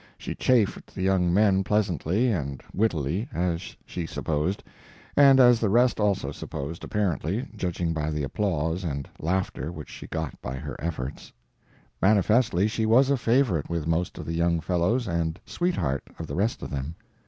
She chaffed the young men pleasantly and wittily, as she supposed, and as the rest also supposed, apparently, judging by the applause and laughter which she got by her efforts. Manifestly she was a favorite with most of the young fellows and sweetheart of the rest of them.